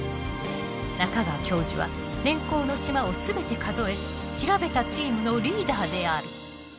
中川教授は年縞の縞を全て数え調べたチームのリーダーである。